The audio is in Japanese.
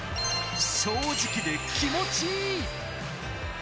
正直で気持ちいい！